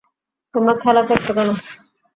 তোমরা খেলা করছো কেন?